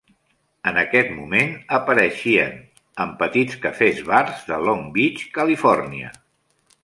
En aquest moment apareixien en petits cafès-bars de Long Beach, Califòrnia.